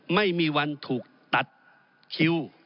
ไม่มีวันถูกตัดคิ้ว